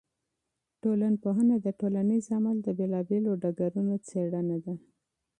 ټولنپوهنه د ټولنیز عمل د بېلا بېلو ډګرونو څېړنه ده.